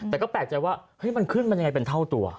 แต่ก็แปลกใจว่าเฮ้ยมันขึ้นมันยังไงเป็นเท่าตัว